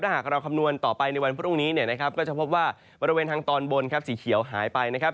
ถ้าหากเราคำนวณต่อไปในวันพรุ่งนี้ก็จะพบว่าบริเวณทางตอนบนสีเขียวหายไปนะครับ